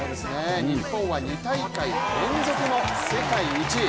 日本は２大会連続の世界１位。